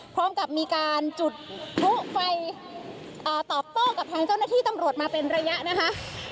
พร้อมกับมีการจุดพลุไฟตอบโต้กับทางเจ้าหน้าที่ตำรวจมาเป็นระยะนะคะ